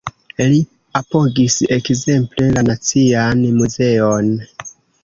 Li apogis ekzemple la Nacian Muzeon.